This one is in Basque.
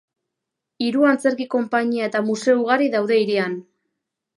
Hiru antzerki konpainia eta museo ugari daude hirian.